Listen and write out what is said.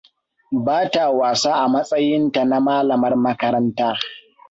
Bata wasa a matsayin ta na malamar makaranta.